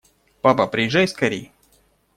Папа, приезжай скорей!